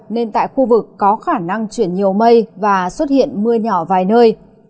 nên tại khu vực có khả năng chuyển nhiều mây và xuất hiện mưa nhỏ vài nơi